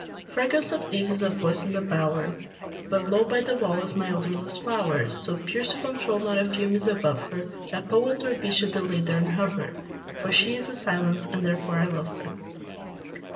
Fragrance of these is a voice in a bower: But low by the wall is my odorless flower, So pure, so controlled, not a fume is above her, That poet or bee should delay there and hover; For she is a silence, and therefore I love her.